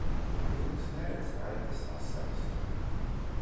Vilks neredz aitas asaras.